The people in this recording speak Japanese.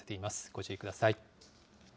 ご注意ください。